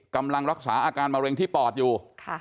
กำลังรักษาอาการมะเร็งที่ปอดอยู่